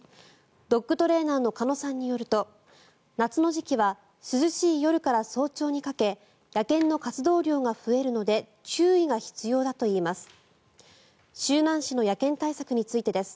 ドッグトレーナーの鹿野さんによると夏の時期は涼しい夜から早朝にかけ野犬の活動量が増えるので注意が必要だといいます。